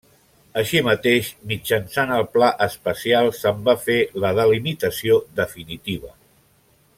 Així mateix, mitjançant el Pla especial, se'n va fer la delimitació definitiva.